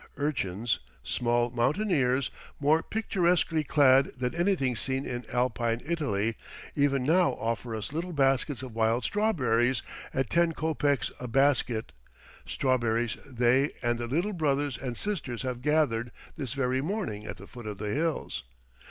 Urchins, small mountaineers, more picturesquely clad than anything seen in Alpine Italy, even, now offer us little baskets of wild strawberries at ten copecks a basket strawberries they and their little brothers and sisters have gathered this very morning at the foot of the hills.